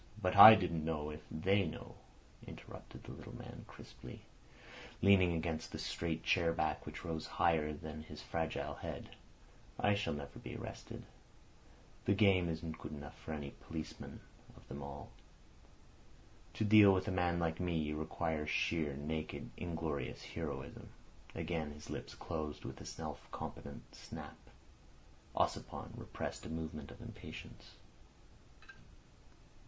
"But I didn't know if—" "They know," interrupted the little man crisply, leaning against the straight chair back, which rose higher than his fragile head. "I shall never be arrested. The game isn't good enough for any policeman of them all. To deal with a man like me you require sheer, naked, inglorious heroism." Again his lips closed with a self confident snap. Ossipon repressed a movement of impatience.